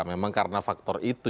memang karena faktor itu